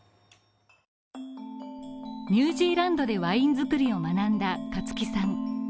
ニュージーランドでワイン造りを学んだ香月さん